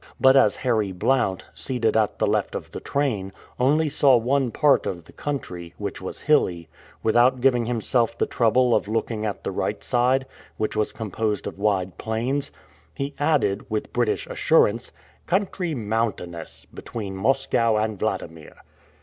But as Harry Blount, seated at the left of the train, only saw one part of the country, which was hilly, without giving himself the trouble of looking at the right side, which was composed of wide plains, he added, with British assurance, "Country mountainous between Moscow and Wladimir."